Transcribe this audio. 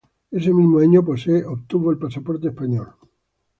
Ese mismo año Posse obtuvo el pasaporte español.